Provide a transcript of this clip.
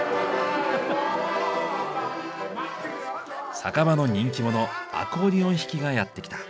酒場の人気者アコーディオン弾きがやって来た。